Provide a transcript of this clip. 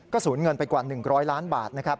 ก็สูญเงินไปกว่า๑๐๐ล้านบาท